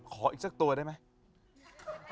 อีกสักตัวได้ไหม